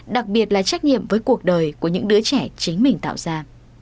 đặc biệt là trách nhiệm với cuộc đời của những đứa trẻ chính mình tạo ra